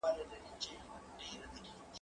زه هره ورځ د لوبو لپاره وخت نيسم